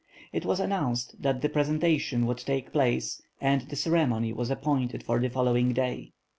It was announced that the presentation would take place and the ceremony was appointed for the following day.